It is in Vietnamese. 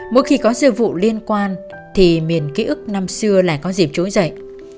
mỗi khi có sự vụ liên quan thì miền ký ức năm xưa lại có dịp trỗi dậy